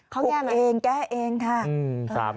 เขาแก้ไหมแก้เองค่ะอืม